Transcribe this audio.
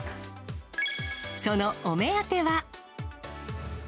そのお目当ては。